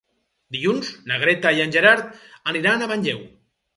Dilluns na Greta i en Gerard aniran a Manlleu.